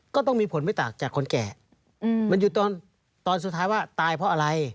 ก็ต้องมีผลไม่ต่างจากคนแก่มันอยู่ตอนสุดท้ายว่าตายเพราะอะไร